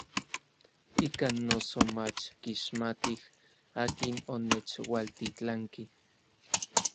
Ikan noso mach kixmatij akin onechualtitlanki.